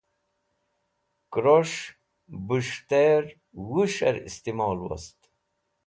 kros̃h bus̃hter wus̃h'er istimol wost